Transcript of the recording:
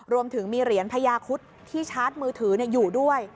รวมถึงมีเหรียญพญาคุดที่ชาร์จมือถืออยู่ด้วย